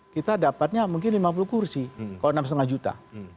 kita dapatnya mungkin lima puluh kursi kalau enam lima juta